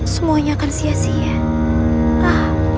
semuanya akan sia sia